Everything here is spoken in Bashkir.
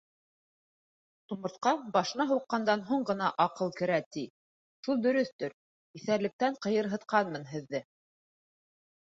Тумыртҡа башына һуҡҡандан һуң ғына аҡыл керә, ти, шул дөрөҫтөр, иҫәрлектән ҡыйырһытҡанмын һеҙҙе.